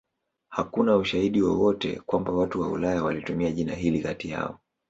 Hakuna ushahidi wowote kwamba watu wa Ulaya walitumia jina hili kati yao.